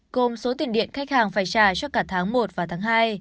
gồm số tiền điện khách hàng phải trả cho cả tháng một và tháng hai